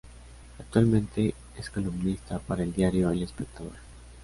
Actualmente es columnista para el diario El Espectador.